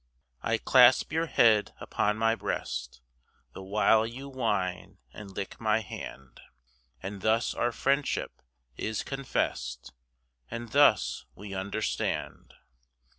I clasp your head upon my breast, The while you whine, and lick my hand; And thus our friendship is confessed, And thus we understand.